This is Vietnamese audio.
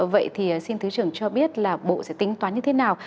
vậy thì xin thứ trưởng cho biết là bộ sẽ tính toán như thế nào